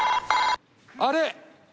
あれ！？